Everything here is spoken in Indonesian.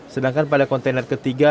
sedangkan pada kontainer ketiga